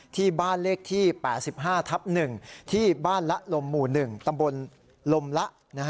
ที่บ้านเลขที่๘๕ทับ๑ที่บ้านละลมหมู่๑ตำบลลมละ